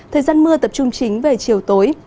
thời gian mưa tập trung chính về chiều tối